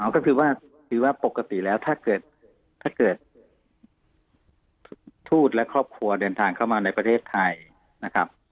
ก็คือว่าถือว่าปกติแล้วถ้าเกิดทูตและครอบครัวเดินทางเข้ามาในประเทศไทยนะครับ